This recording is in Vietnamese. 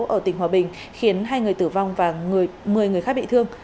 ở tỉnh hòa bình khiến hai người tử vong và một mươi người khác bị thương